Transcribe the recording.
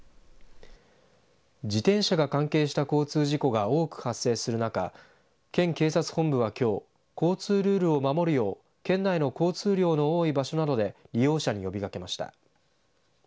自転車が関係した交通事故が多く発生する中県警察本部はきょう交通ルールを守るよう県内の交通量の多い場所などで事業者に呼びかけました。